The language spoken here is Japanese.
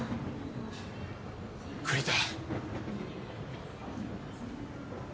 栗田。